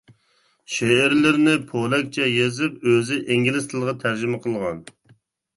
شېئىرلىرىنى پولەكچە يېزىپ ئۆزى ئىنگلىز تىلىغا تەرجىمە قىلغان.